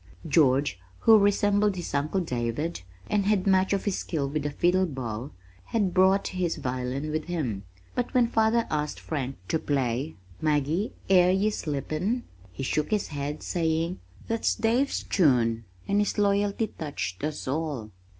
George, who resembled his uncle David, and had much of his skill with the fiddle bow, had brought his violin with him, but when father asked Frank to play Maggie, air ye sleepin', he shook his head, saying, "That's Dave's tune," and his loyalty touched us all.